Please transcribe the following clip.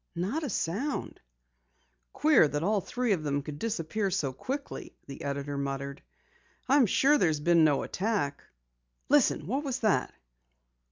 "Not a sound." "Queer that all three of them could disappear so quickly," the editor muttered. "I'm sure there's been no attack. Listen! What was that?"